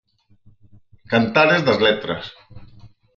Cantares das letras.